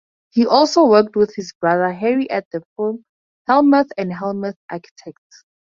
He also worked with his brother Harry at the firm Hellmuth and Hellmuth Architects.